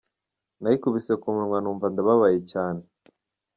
Nayikubise ku munwa numva ndababaye cyane.